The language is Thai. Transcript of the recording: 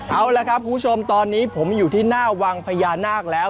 เอาละครับคุณผู้ชมตอนนี้ผมอยู่ที่หน้าวังพญานาคแล้ว